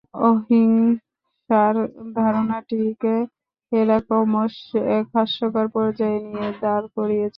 অহিংসার ধারণাটিকে এরা ক্রমশ এক হাস্যকর পর্যায়ে নিয়ে দাঁড় করিয়েছিল।